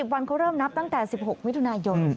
วันเขาเริ่มนับตั้งแต่๑๖มิถุนายน